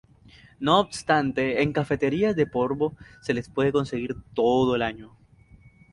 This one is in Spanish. No obstante, en cafeterías de Porvoo se les puede conseguir todo el año.